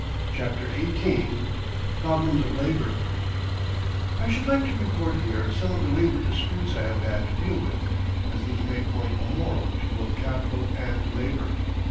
_] CHAPTER XVIII PROBLEMS OF LABOR I should like to record here some of the labor disputes I have had to deal with, as these may point a moral to both capital and labor.